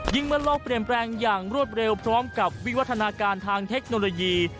เมื่อโลกเปลี่ยนแปลงอย่างรวดเร็วพร้อมกับวิวัฒนาการทางเทคโนโลยี